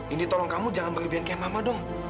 ini tolong kamu jangan berlebihan kayak mama dong